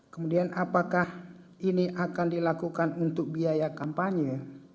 kemudian apakah ini akan dilakukan untuk biaya kampanye